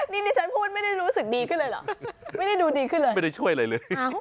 นี่ที่ฉันพูดไม่ได้รู้สึกดีขึ้นเลยเหรอไม่ได้ดูดีขึ้นเลยไม่ได้ช่วยอะไรเลย